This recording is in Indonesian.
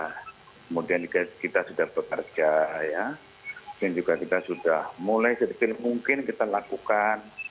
kemudian juga kita sudah bekerja dan juga kita sudah mulai sedikit mungkin kita lakukan